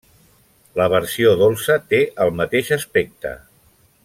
La versió dolça té el mateix aspecte.